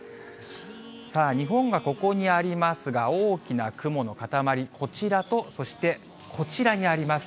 さあ、日本がここにありますが、大きな雲の固まり、こちらとそして、こちらにあります。